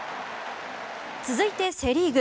続いてセ・リーグ。